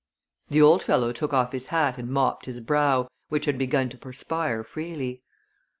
The old fellow took off his hat and mopped his brow, which had begun to perspire freely.